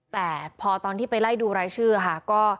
แต่พอตอนที่ไปไล่ดูรายชื่อค่ะ